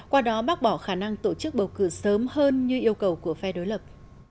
qua đó bác bỏ khả năng tổ chức bầu cử sớm hơn như yêu cầu của phe đối lập